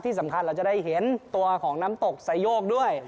ที่สำคัญเราจะได้เห็นตัวของน้ำตกสายโยกด้วย